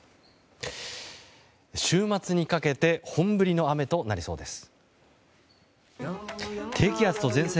週末にかけて本降りの雨となりそうです。